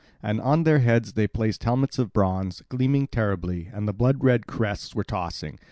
And on their heads they placed helmets of bronze, gleaming terribly, and the blood red crests were tossing.